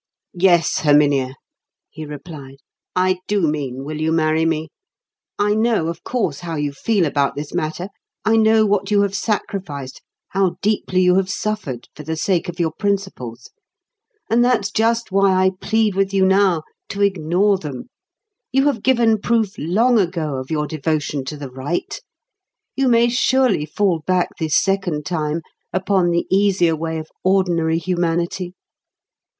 "Yes, Herminia," he replied. "I do mean, will you marry me? I know, of course, how you feel about this matter; I know what you have sacrificed, how deeply you have suffered, for the sake of your principles. And that's just why I plead with you now to ignore them. You have given proof long ago of your devotion to the right. You may surely fall back this second time upon the easier way of ordinary humanity.